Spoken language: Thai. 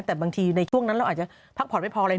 แต่บางทีในช่วงนั้นเราอาจจะพักผ่อนไม่พออะไร